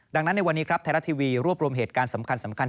ดังนั้นในวันนี้ครับไทยรัฐทีวีรวบรวมเหตุการณ์สำคัญ